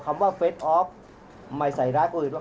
ความว่าเฟสต์ออฟคืออะไรหรือเปล่า